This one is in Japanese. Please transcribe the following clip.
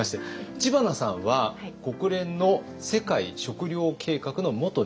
知花さんは国連の世界食糧計画の元日本大使。